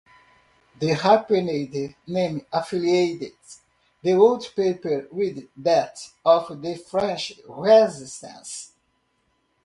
The hyphenated name affiliated the old paper with that of the French resistance.